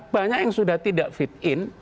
banyak yang sudah tidak fit in